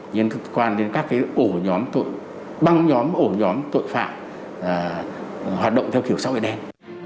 liên quan đến các ổ nhóm tội băng nhóm ổ nhóm tội phạm hoạt động theo kiểu sâu ế đen